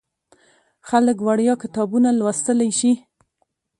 خلک وړیا کتابونه لوستلی شي.